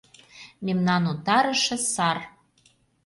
Мемнан утарыше сар.